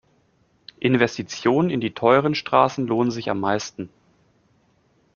Investitionen in die teuren Straßen lohnen sich am meisten.